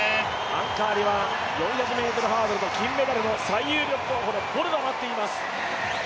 アンカーには４００ｍの金メダルの最有力候補のボルが待っています、